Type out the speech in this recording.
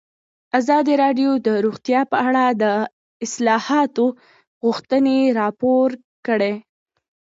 ازادي راډیو د روغتیا په اړه د اصلاحاتو غوښتنې راپور کړې.